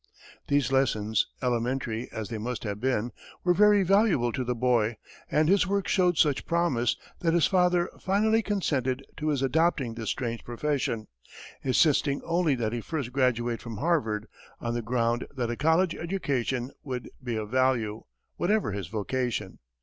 These lessons, elementary as they must have been, were very valuable to the boy, and his work showed such promise that his father finally consented to his adopting this strange profession, insisting only that he first graduate from Harvard, on the ground that a college education would be of value, whatever his vocation.